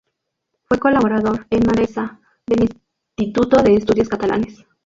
Fue colaborador, en Manresa, del Instituto de Estudios Catalanes.